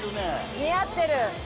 似合ってる！